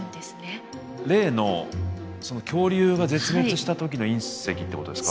例のその恐竜が絶滅した時の隕石ってことですか？